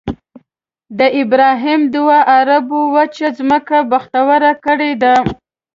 د ابراهیم دعا عربو وچه ځمکه بختوره کړې ده.